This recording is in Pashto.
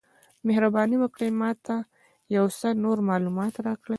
مهرباني وکړئ ما ته یو څه نور معلومات راکړئ؟